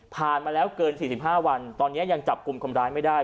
ผ่านมาแล้วเกินสี่สิบห้าวันตอนเนี้ยยังจับกลุ่มคำร้ายไม่ได้